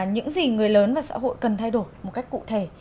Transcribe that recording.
những gì người lớn và xã hội cần thay đổi một cách cụ thể